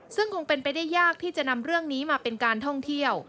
ซึ่งคงเป็นไปได้ยากที่จะนำเรื่องนี้มาเป็นการท่องเที่ยว